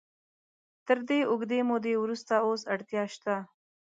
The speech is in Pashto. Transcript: تر دې اوږدې مودې وروسته اوس اړتیا شته.